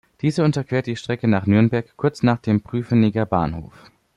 Diese unterquert die Strecke nach Nürnberg kurz nach dem Prüfeninger Bahnhof.